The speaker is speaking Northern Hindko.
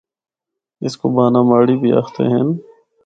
اس کو بھانہ ماڑی بھی آخدے ہن۔